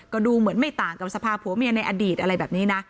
ก็ดูเหมือนไม่ต่างกับสภาพผัวเมียในอดีตอะไรแบบนี้นะ